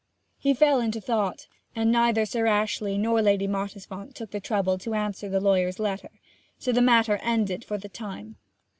He fell into thought, and neither Sir Ashley nor Lady Mottisfont took the trouble to answer the lawyer's letter; and so the matter ended for the time.